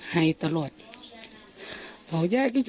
คิดกลับได้สำเร็จ